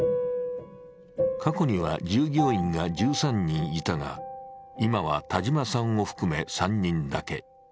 過去には従業員が１３人いたが、今は田島さんを含め３人だけ。